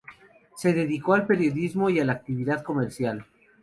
Se dedicó al periodismo y a la actividad comercial.